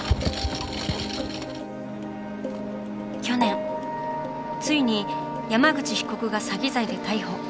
去年ついに山口被告が詐欺罪で逮捕。